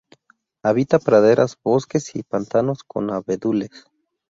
Habita praderas, bosques y pantanos con abedules.